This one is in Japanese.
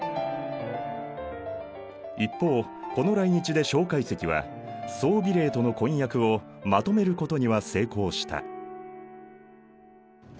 一方この来日で介石は宋美齢との婚約をまとめることには成功した。